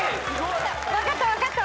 分かった分かった。